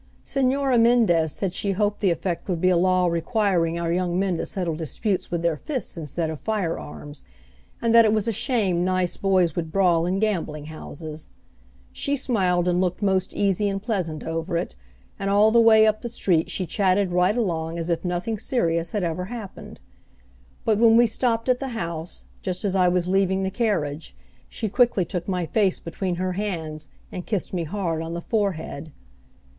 Señora Mendez said she hoped the effect would be a law requiring our young men to settle disputes with their fists instead of firearms, and that it was a shame nice boys would brawl in gambling houses. She smiled and looked most easy and pleasant over it, and all the way up the street she chatted right along as if nothing serious had ever happened. But when we stopped at the house, just as I was leaving the carriage, she quickly took my face between her hands and kissed me hard on the forehead.